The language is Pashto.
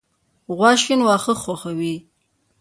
غوا شین واښه خوښوي.